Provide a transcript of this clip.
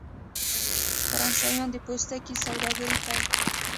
فرانسویانو د پوستکي سوداګري پیل کړه.